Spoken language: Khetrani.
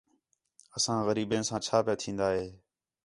اساں غریبیں ساں چھا پِیا تِھین٘دا ہِے